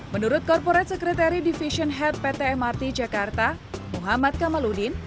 menurut corporate secretary division head pt mrt jakarta muhammad kamaludin